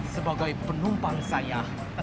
sebagai penumpang saya